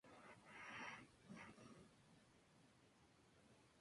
Se encuentra desde Mozambique hasta Nueva Zelanda.